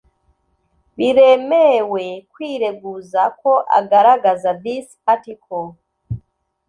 biremewe kwireguza ko agaragaza this article